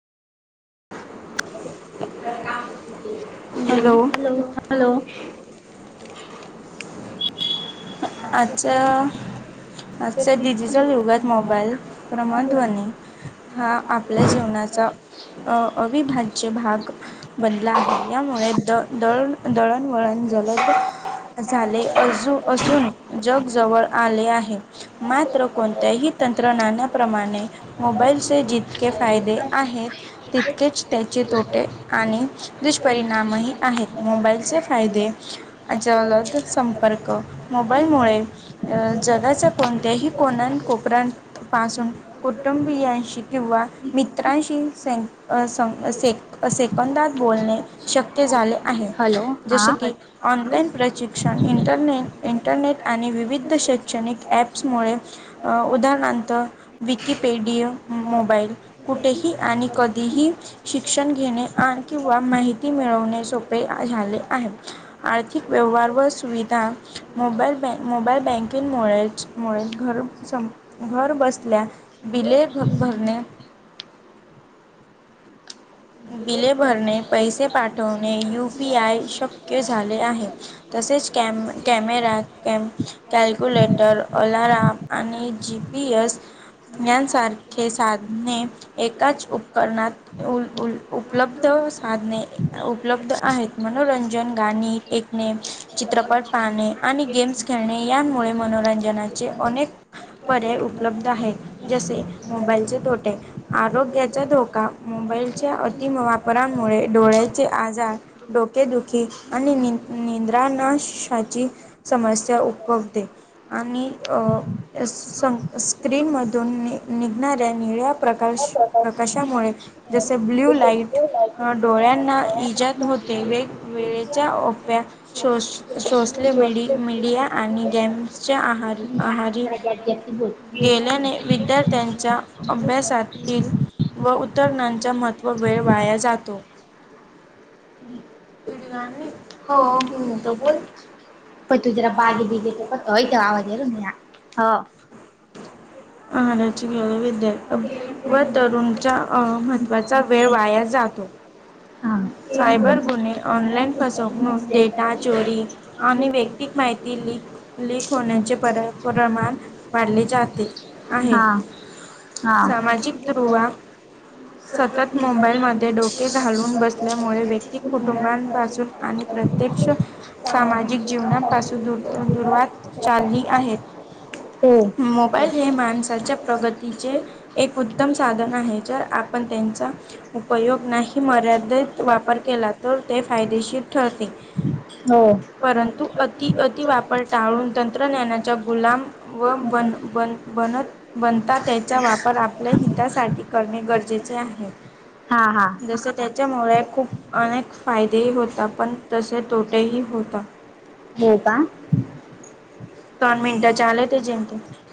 Hello hello hello अच्छा आजच्या digital युगात मोबाईल क्रमण ध्वनी हा आपल्या जेवणाचा अ अविभाज्य भाग बनला आहे यामुळे द दळ दळणवळण जलद झाले अज असून जग जवळ आले आहे मात्र कोणत्याही तंत्रज्ञानाप्रमाणे मोबाईलचे जितके फायदे आहेत तितकेच त्याचे तोटे आणि दुष्परिणामही आहेत मोबाईलचे फायदे अजलद संपर्क मोबाईल मुळे अ जगाच्या कोणत्याही कोणा कोपऱण पासून कुटुंबियांशी किंवा मित्रांशी सं सं से सेकंदात बोलणे शक्य झाले आहे हॅलो जसे हा की ऑनलाईन प्रशिक्षण इ ंटरने इंटरनेट आणि विविध शैक्षणिक ॲप्समुळे उदाहरणार्थ विकिपेडिया मोबाईल कुठेही आणि कधीही शिक्षण घेणे किंवा माहिती मिळवणे सोपे झाले आहे आर्थिक व्यवहार व सुविधा आता मोबाईल बँ मोबाईल बँकिंगमुळेचमुळे घर स घर बसल्या बिले भरणे बिले भरणे पैसे पाठवणे यू पी आय शक्य झाले आहे तसेच कॅम कॅमेरा क कॅल्क्युलेटर अलारम आणि जी पी एस यांसारखे साधने एकाच उपकरणात उल उल उपलब्ध साधने उपलब्ध आहेत मनोरंजन गाणी टेकणे चित्रपट पाहणे आणि गेम्स खेळणे यांमुळे मनोरंजनाचे अनेक पर्याय उपलब्ध आहेत जसे मोबाईलचे तोटे आरोग्याचा धोका मोबाईलच्या अति वापराांमुळे डोळ्याचे आजार डोकेदुखी आणि निद्राणाशाची समस्या उपगते आणि अं स्क्रीन मधून निघणाऱ्या निळ्या प्रकार [inaudible] जसे ब्ल्यू लाईट डोळ्यांना इजाात होते वेगवेळेच्या ओफ्या सोशलेि मीडिया आणि गेम्सच्या आहार अरी गेल्या नाही विद्यार्थ्यांच्या अभ्यासातील व उतरण्या ज महत्त्व वेळ वाया जातो पड हो हो तर बोल प तू जरा बागे बीगे पण हय आवाज येेर महारची विद्या व तरुणच्या महत्त्वाचा वेळ वाया जातो हा सायबर गुन्हे ऑनलाइन फसवणूक डेटा चोरी आणि व्यक्ती भतिक माहिती लक लक होण्याचे पर प्रमाण वाढले जाते आहे हा ह हा. सामाजिक ध्रुवा सतत मोबाईल म डोके घालून बसले ल्यामुळे व्यक्तिक कुटुंबांपासून आणि प्रत्यक्ष सामाजिक जीवनापासून दूर दुरवात चालली आहेत हो. मोबाईल हे माणसाच्या प्रगतीचे एक उत्तम साधन आहे जर आपण त्यांचा उपयोग नाही मर्यादित वापर केला तर ते फायदेशीर ठरते हो. परंतु अति अतिवापर टाळून तंत्रज्ञानाच्या गुलाम व बन बन बनत बनता त्याचा वापर आपल्या हितासाठी करणे गरजेचे आहे हा हा. जस त्याच्यामुळे खूप ख अनेक फायदेही होत पण तसे तोटेही होतात हो का दोन मिनटं झाले ते जेमतेम